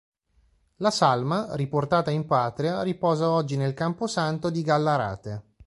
La salma, riportata in patria, riposa oggi nel camposanto di Gallarate.